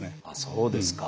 そうですか。